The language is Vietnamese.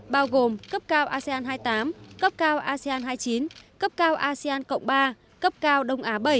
bao gồm cấp cao asean hai mươi tám cấp cao asean hai mươi chín cấp cao asean cộng ba cấp cao đông á bảy